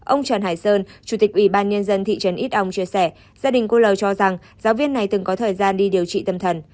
ông trần hải sơn chủ tịch ủy ban nhân dân thị trấn ít âu chia sẻ gia đình cô lầu cho rằng giáo viên này từng có thời gian đi điều trị tâm thần